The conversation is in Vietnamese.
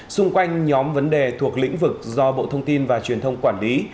xung quanh nhóm vấn đề thuộc lĩnh vực do bộ thông tin và truyền thông quản lý